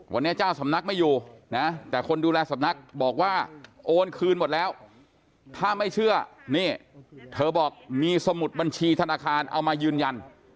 วันนี้เจ้าสำนักไม่อยู่นะแต่คนดูแลสำนักบอกว่าโอนคืนหมดแล้วถ้าไม่เชื่อนี่เธอบอกมีสมุดบัญชีธนาคารเอามายืนยัน